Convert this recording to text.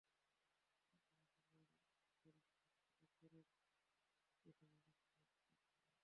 তানভির এন্টারপ্রাইজের মালিক ফারুক হোসেন অভিযোগ করেন, টিসিবির জিনিসের মান খারাপ।